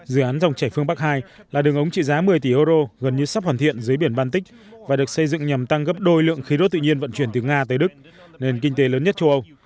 dự án dòng chảy phương bắc hai là đường ống trị giá một mươi tỷ euro gần như sắp hoàn thiện dưới biển baltic và được xây dựng nhằm tăng gấp đôi lượng khí đốt tự nhiên vận chuyển từ nga tới đức nền kinh tế lớn nhất châu âu